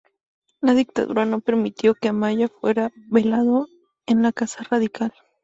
La dictadura no permitió que Amaya fuera velado en la Casa Radical.